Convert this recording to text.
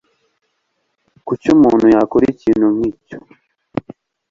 Kuki umuntu yakora ikintu nkicyo